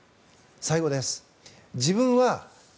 最後です。